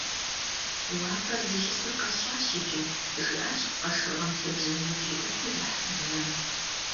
- Уафэр зиӏисыр къэсщӏащ иджы, - жиӏащ къэшыргъэм лъэбжьанэкӏэ иӏыгъыу ихь блэм.